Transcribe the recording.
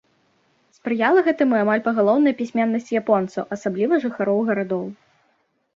Спрыяла гэтаму і амаль пагалоўная пісьменнасць японцаў, асабліва жыхароў гарадоў.